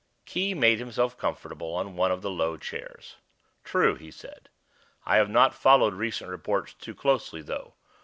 Khee made himself comfortable on one of the low chairs. "True," he said. "I have not followed recent reports too closely, though.